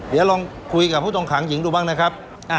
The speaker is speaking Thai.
เดี๋ยวลองคุยกับผู้ต้องขังหญิงดูบ้างนะครับ